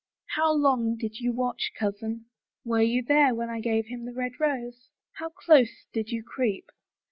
How long did you watch, cousin? Were you there when I gave him the red rose ? How close did you creep